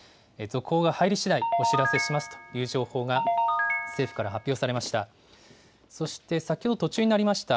続報が入りしだい、お知らせしますという情報が政府から発表されました。